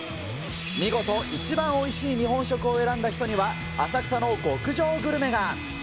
見事、一番おいしい日本食を選んだ人には、浅草の極上グルメが。